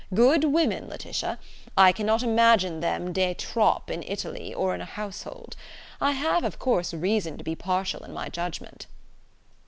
Good women, Laetitia! I cannot imagine them de trop in Italy, or in a household. I have of course reason to be partial in my judgement."